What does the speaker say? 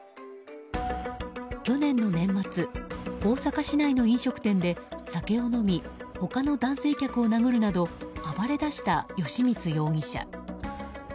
去年の年末、大阪市内の飲食店で酒を飲み他の男性客を殴るなど暴れだした吉満容疑者。